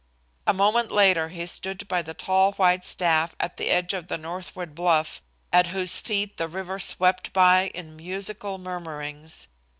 A moment later he stood by the tall white staff at the edge of the northward bluff, at whose feet the river swept by in musical murmurings.